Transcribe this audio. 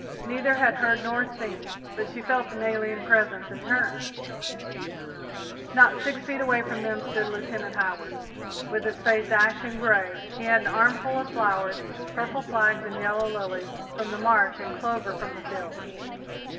Neither had heard nor seen, but she felt an alien presence, and turned. Not six feet away from them stood Lieutenant Howard, with his face ashen grey. He had an armful of flowers purple flags and yellow lilies from the marsh and clover from the fields.